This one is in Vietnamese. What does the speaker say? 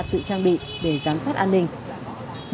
tự trang bị để giám sát an ninh